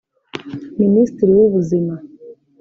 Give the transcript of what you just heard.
Minisitiri w’Ubuzima